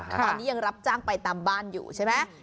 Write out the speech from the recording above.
ตอนนี้ยังรับจ้างไปตามบ้านอยู่ใช่ไหม